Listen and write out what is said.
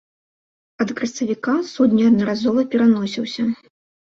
Ад красавіка суд неаднаразова пераносіўся.